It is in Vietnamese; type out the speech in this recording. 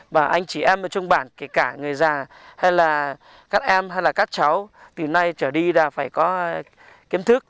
và anh chị em ở trong bản kể cả người già hay là các em hay là các cháu từ nay trở đi là phải có kiến thức